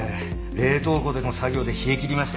冷凍庫での作業で冷えきりましたよ。